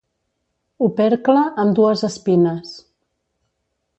Opercle amb dues espines.